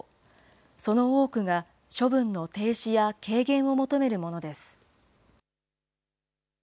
その多くが処分の停止や軽減を求めるものです。